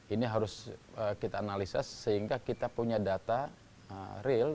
ini harus kita analisa sehingga kita punya data real